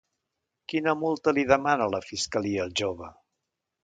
Quina multa li demana la fiscalia al jove?